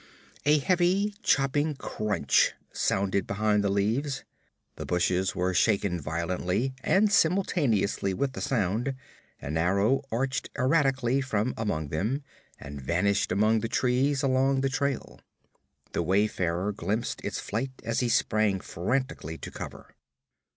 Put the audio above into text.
A heavy chopping crunch sounded behind the leaves. The bushes were shaken violently, and simultaneously with the sound, an arrow arched erratically from among them and vanished among the trees along the trail. The wayfarer glimpsed its flight as he sprang frantically to cover.